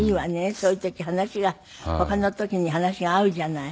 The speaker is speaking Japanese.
そういう時話が他の時に話が合うじゃない？